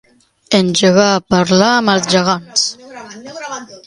Engegar a parlar amb els gegants.